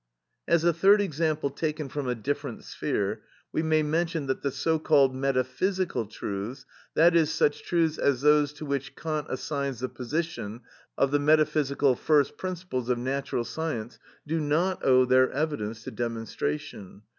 As a third example taken from a different sphere we may mention that the so called metaphysical truths, that is, such truths as those to which Kant assigns the position of the metaphysical first principles of natural science, do not owe their evidence to demonstration.